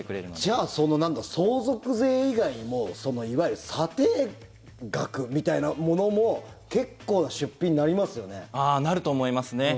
じゃあ相続税以外にもいわゆる査定額みたいなものもなると思いますね。